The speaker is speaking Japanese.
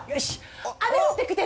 雨降ってきてる。